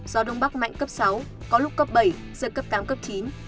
gió đông bắc mạnh cấp sáu có lúc cấp bảy giật cấp tám cấp chín